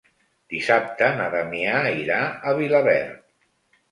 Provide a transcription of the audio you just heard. Dissabte na Damià irà a Vilaverd.